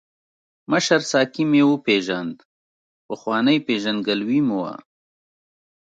مشر ساقي مې وپیژاند، پخوانۍ پېژندګلوي مو وه.